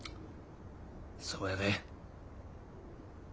そうやで。